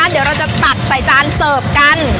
เดี๋ยวเราจะตัดใส่จานเสิร์ฟกัน